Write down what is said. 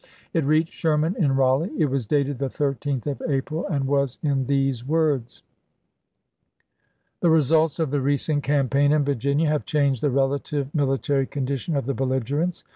It reached Sherman in Raleigh ; it was dated the 13th of April, and was in these words :" The results of 244 ABRAHAM LINCOLN chap. xii. the recent campaign in Virginia have changed the relative military condition of the belligerents.